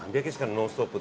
「ノンストップ！」